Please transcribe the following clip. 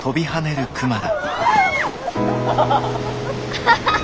アハハハ！